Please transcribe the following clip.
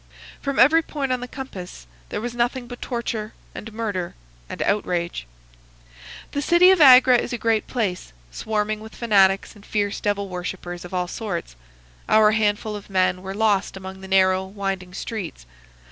From every point on the compass there was nothing but torture and murder and outrage. "The city of Agra is a great place, swarming with fanatics and fierce devil worshippers of all sorts. Our handful of men were lost among the narrow, winding streets.